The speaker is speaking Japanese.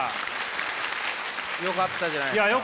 よかったじゃないですか。